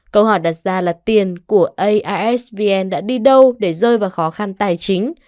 câu hỏi đặt ra là tiền của aasvn đã đi đâu để rơi vào khó khăn tài chính